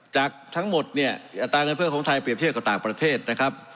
จากทั้งหมดเนี่ยอัตราเงินเฟื้อของไทยเปรียบเทียบกับต่างประเทศนะครับ